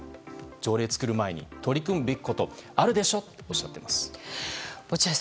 条例を作る前に取り組むべきことがあるでしょうとおっしゃっています。